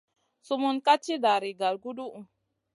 Sumun ka tì dari gaguduhu.